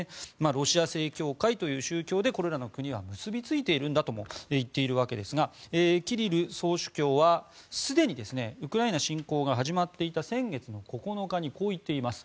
ロシア正教会という宗教でこれらの国は結びついているんだとも言っているわけですがキリル総主教はすでにウクライナ侵攻が始まっていた先月の９日にこう言っています。